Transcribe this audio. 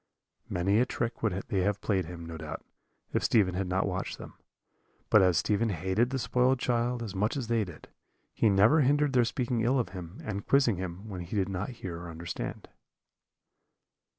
"Many a trick would they have played him, no doubt, if Stephen had not watched them. But as Stephen hated the spoiled child as much as they did, he never hindered their speaking ill of him, and quizzing him, when he did not hear or understand.